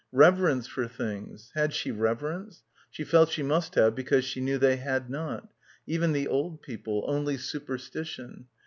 Reverence for things — had she reverence? She felt she must have because she knew they had not; even the old people; only superstition